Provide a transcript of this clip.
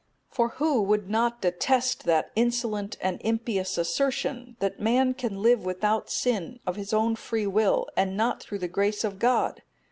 For who would not detest that insolent and impious assertion, 'That man can live without sin of his own free will, and not through the grace of God?